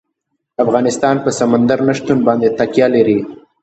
افغانستان په سمندر نه شتون باندې تکیه لري.